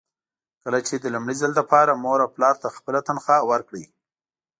کله چې د لومړي ځل لپاره مور او پلار ته خپله تنخوا ورکړئ.